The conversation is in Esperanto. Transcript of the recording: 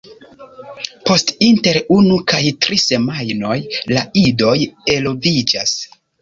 Post inter unu kaj tri semajnoj la idoj eloviĝas.